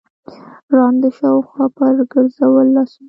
ړانده شاوخوا پر ګرځول لاسونه